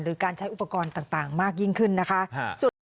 การใช้อุปกรณ์ต่างมากยิ่งขึ้นนะคะ